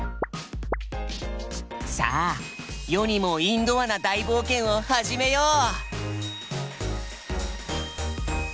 さあ世にもインドアな大冒険を始めよう！